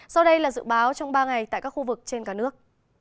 sau đây là dự báo trong ba ngày tại các khu vực trên cả nước